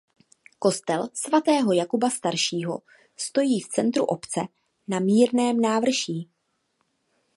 Kostel svatého Jakuba Staršího stojí v centru obce na mírném návrší.